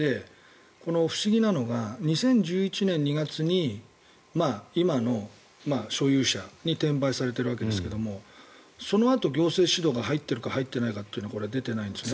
不思議なのが２０１１年２月に今の所有者に転売されているわけですけれどそのあと行政指導が入ってるか入っていないかはこれ、出ていないんですね。